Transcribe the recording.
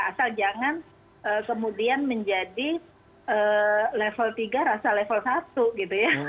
asal jangan kemudian menjadi level tiga rasa level satu gitu ya